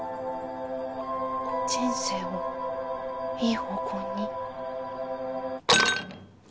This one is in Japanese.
人生をいい方向に？